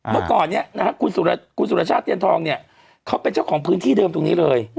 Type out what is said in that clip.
เมื่อก่อนเนี่ยนะฮะคุณสุรชาติเตียนทองเนี่ยเขาเป็นเจ้าของพื้นที่เดิมตรงนี้เลย